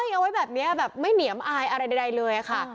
เอาไว้แบบนี้แบบไม่เหนียมอายอะไรใดเลยค่ะ